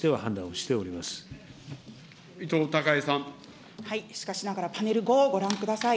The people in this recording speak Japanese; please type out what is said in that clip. しかしながら、パネル５をご覧ください。